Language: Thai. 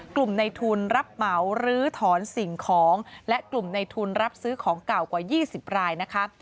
กลุ่มในทุนรับเหมาลื้อถอนสิ่งของและกลุ่มในทุนรับซื้อของเก่ากว่า๒๐รายนะคะ